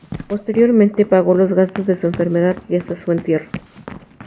Posteriormente pagó los gastos de su enfermedad y hasta su entierro.